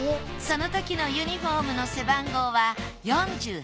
そのときのユニフォームの背番号は４８。